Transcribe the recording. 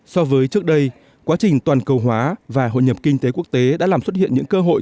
so với trước đây quá trình toàn cầu hóa và hội nhập kinh tế quốc tế đã làm xuất hiện những cơ hội